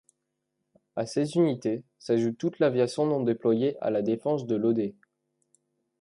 À ces unités s'ajoute toute l'aviation non déployée à la défense de l'Oder.